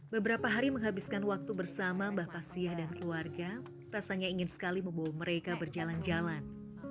beberapa hari menghabiskan waktu bersama mbah pasya dan keluarga rasanya ingin sekali membawa mereka berjalan jalan